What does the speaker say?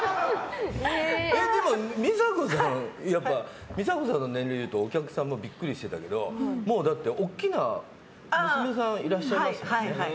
でも、美佐子さんの年齢言うとお客さんがビックリしてたけどもう、大きな娘さんがいらっしゃいますよね。